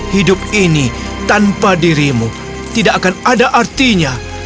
hidup ini tanpa dirimu tidak akan ada artinya